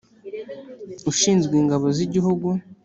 ushinzwe Ingabo z Igihugu